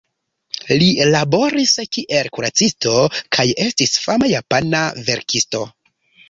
Li laboris kiel kuracisto kaj estis fama japana verkisto.